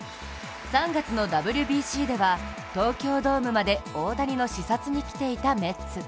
３月のＷＢＣでは東京ドームまで大谷の視察に来ていたメッツ。